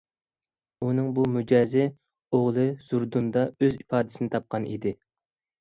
ئۇنىڭ بۇ مىجەزى ئوغلى زوردۇندا ئۆز ئىپادىسىنى تاپقان ئىدى.